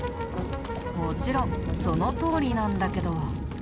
もちろんそのとおりなんだけど。